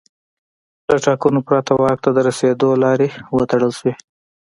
له ټاکنو پرته واک ته د رسېدو لارې وتړل شوې.